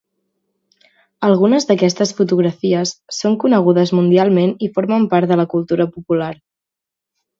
Algunes d’aquestes fotografies són conegudes mundialment i formen part de la cultura popular.